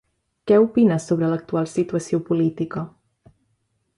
Què opina sobre l'actual situació política?